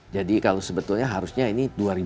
jadi kalau sebetulnya harusnya ini